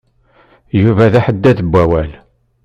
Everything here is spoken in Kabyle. Yuba d aḥeddad n wawal.